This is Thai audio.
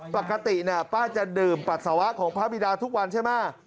ปกติป้าจะดื่มปัสสาวะของพระบิดาทุกวันใช่ไหม